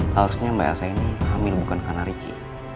harusnya mbak elsa ini hamil bukan karena ricky